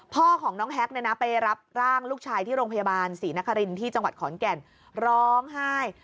พ่อของน้องแฮ็กไปรับร่างลูกชายที่โรงพยาบาลศรีนครินที่จังหวัดขอนแก่นร้องไห้